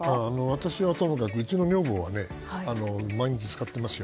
私はともかくうちの女房は毎日使っていますよ。